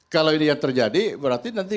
kalau ini yang terjadi berarti nanti